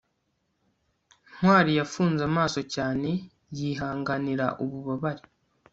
ntwali yafunze amaso cyane yihanganira ububabare